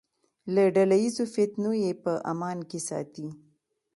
له ډله ییزو فتنو یې په امان کې ساتي.